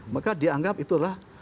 maka dia anggap itu adalah